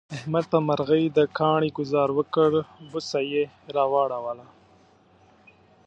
احمد په مرغی د کاڼي گذار وکړ، بوڅه یې را وړوله.